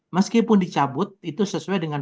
meskipun dicabut itu sesuai dengan